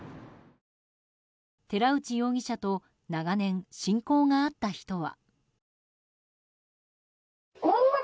寺内容疑者と長年、親交があった人は。